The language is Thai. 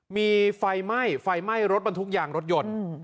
มีไฟไม่รถบรรทุกยางรถยนต์